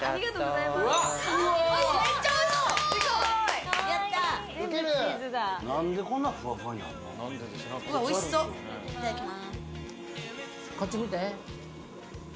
いただきます！